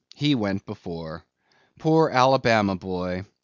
he went before. Poor Alabama boy!